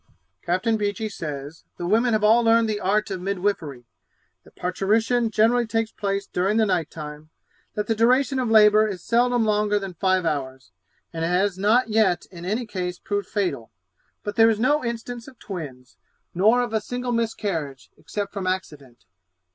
Captain Beechey says, the women have all learned the art of midwifery; that parturition generally takes place during the night time; that the duration of labour is seldom longer than five hours, and has not yet in any case proved fatal; but there is no instance of twins, nor of a single miscarriage, except from accident.